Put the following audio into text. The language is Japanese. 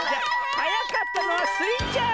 はやかったのはスイちゃん！